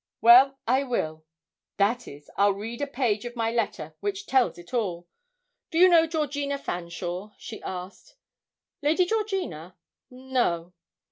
'Well, I will that is, I'll read a page of my letter, which tells it all. Do you know Georgina Fanshawe?' she asked. 'Lady Georgina? No.'